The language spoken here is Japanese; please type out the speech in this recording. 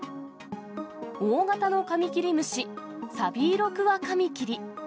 大型のカミキリムシ、サビイロクワカミキリ。